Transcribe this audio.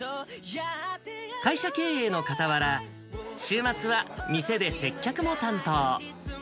会社経営のかたわら、週末は店で接客も担当。